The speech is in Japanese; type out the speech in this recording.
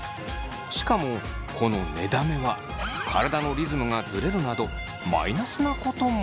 しかもこの寝だめは体のリズムがズレるなどマイナスなことも。